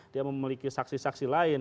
dia memiliki saksi saksi lain